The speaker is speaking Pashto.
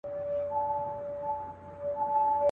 محرابونه به موخپل جومات به خپل وي.